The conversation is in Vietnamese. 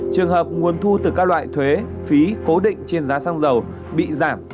trường hợp nguồn thu từ các loại thuế phí cố định trên giá xăng dầu bị giảm